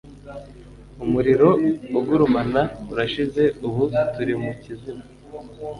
umuriro ugurumana urashize ubu turi mu kizima